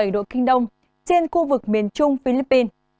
một trăm hai mươi một bảy độ kinh đông trên khu vực miền trung philippines